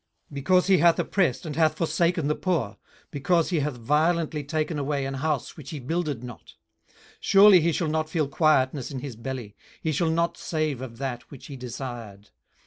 18:020:019 Because he hath oppressed and hath forsaken the poor; because he hath violently taken away an house which he builded not; 18:020:020 Surely he shall not feel quietness in his belly, he shall not save of that which he desired.